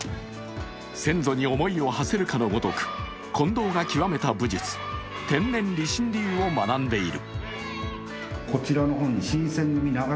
先祖に思いをはせるかのごとく近藤が極めた武術天然理心流を学んでいる。